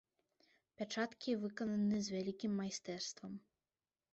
Пячаткі выкананы з вялікім майстэрствам.